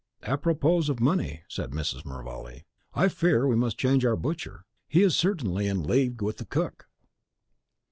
"Apropos of money," said Mrs. Mervale; "I fear we must change our butcher; he is certainly in league with the cook."